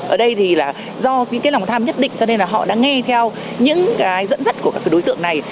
ở đây thì là do những lòng tham nhất định cho nên là họ đã nghe theo những dẫn dẫn của các đối tượng này